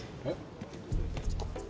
えっ？